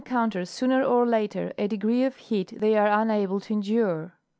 counter, sooner or later, a degree of heat they are unable to endure.